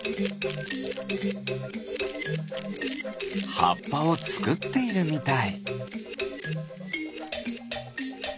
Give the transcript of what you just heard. はっぱをつくっているみたい。